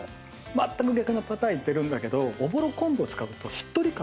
まったく逆のパターンいってるんだけどおぼろ昆布を使うとしっとり感